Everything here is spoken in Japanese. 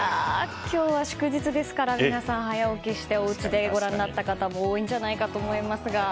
今日は祝日ですから皆さん、早起きしておうちでご覧になった方も多いかと思いますが。